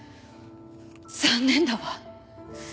残念だわ。